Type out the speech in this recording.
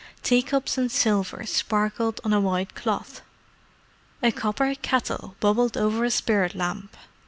Tea cups and silver sparkled on a white cloth; a copper kettle bubbled over a spirit lamp.